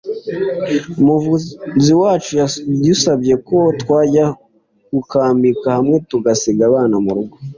umuvuzi wacu yadusabye ko twajya gukambika hamwe tugasiga abana murugo